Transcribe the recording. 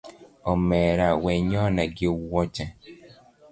Omera wenyona gi wuoche